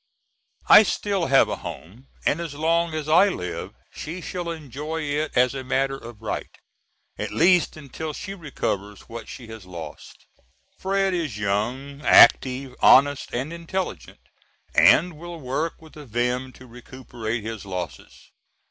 I still have a home and as long as I live she shall enjoy it as a matter of right; at least until she recovers what she has lost. Fred is young, active, honest, and intelligent, and will work with a vim to recuperate his losses.